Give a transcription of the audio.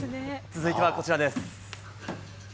続いてはこちらです。